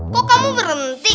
kok kamu berhenti